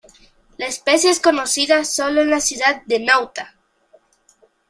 La especie es conocida sólo en la ciudad de Nauta.